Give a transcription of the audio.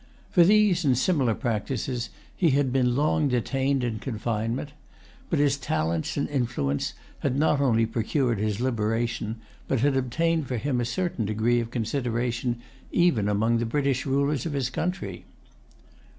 For these and similar practices he had been long detained in confinement. But his talents and influence had not only procured his liberation, but had obtained for him a certain degree of consideration even among the British rulers of his country.